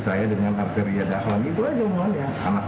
saya dengan arteria dahlan itu aja omongannya